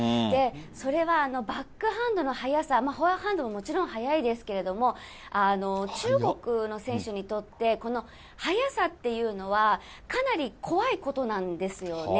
それはバックハンドの速さ、フォアハンドももちろん速いですけれども、中国の選手にとって、この速さっていうのは、かなり怖いことなんですよね。